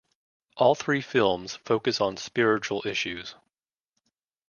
All three films focus on spiritual issues.